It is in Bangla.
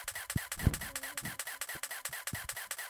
বজ্রের ন্যায় তার বায়ুর আওয়াজ।